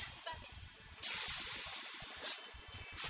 sampai menang sangat